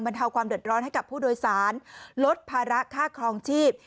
เทาความเดือดร้อนให้กับผู้โดยสารลดภาระค่าครองชีพ